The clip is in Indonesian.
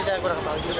saya kurang tahu juga